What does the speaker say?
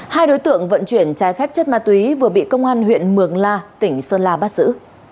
hai đối tượng vận chuyển trái phép chất ma túy vừa bị công an huyện mường la tỉnh sơn la bắt giữ